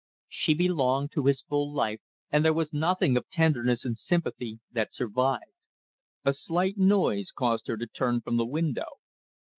She belonged to his full life and there was nothing of tenderness and sympathy that survived. A slight noise caused her to turn from the window.